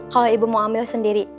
kalau ibu mau ambil sendiri